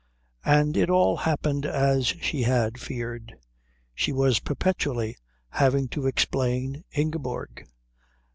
And it all happened as she had feared she was perpetually having to explain Ingeborg.